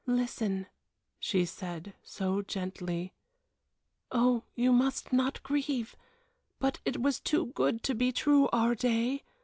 "Listen," she said, so gently. "Oh, you must not grieve but it was too good to be true, our day.